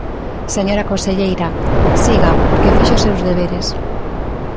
Señora conselleira, siga porque fixo os seus deberes.